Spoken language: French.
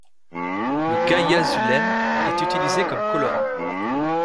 Le guaiazulène est utilisé comme colorant.